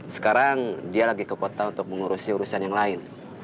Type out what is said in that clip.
sekarang dia lagi ke kota untuk mengurusi urusan yang lain